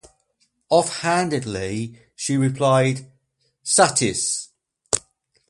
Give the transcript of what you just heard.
Offhandedly, she replied: "Satis".